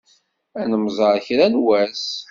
Ad nemẓeṛ kra n wass.